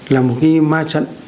là một cái ma trận